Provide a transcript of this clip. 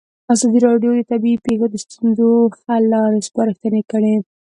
ازادي راډیو د طبیعي پېښې د ستونزو حل لارې سپارښتنې کړي.